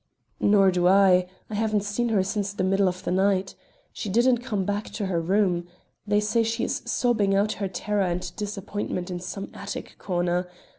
"Nor do I. I haven't seen her since the middle of the night. She didn't come back to her room. They say she is sobbing out her terror and disappointment in some attic corner.